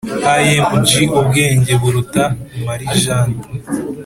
Img Ubwenge Buruta Marijani